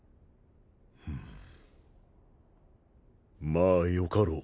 まあよかろう。